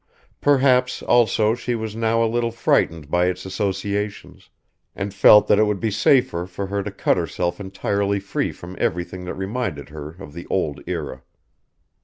Perhaps also she was now a little frightened by its associations, and felt that it would be safer for her to cut herself entirely free from everything that reminded her of the old era.